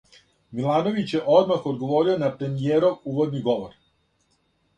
Милановић је одмах одговорио на премијеров уводни говор.